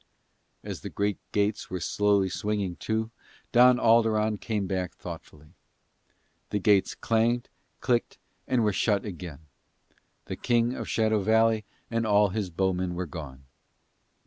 As the great gates were slowly swinging to, Don Alderon came back thoughtfully. The gates clanged, clicked, and were shut again. The King of Shadow Valley and all his bowmen were gone.